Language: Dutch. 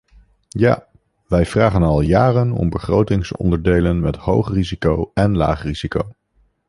Ja, wij vragen al jaren om begrotingsonderdelen met hoog risico en laag risico.